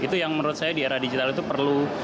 itu yang menurut saya di era digital itu perlu